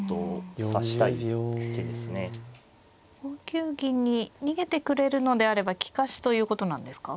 ５九銀に逃げてくれるのであれば利かしということなんですか。